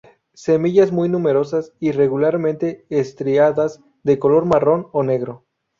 Semillas muy numerosas, irregularmente estriadas, de color marrón o negro.